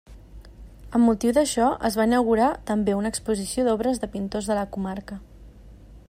Amb motiu d'això es va inaugurar també una exposició d'obres de pintors de la comarca.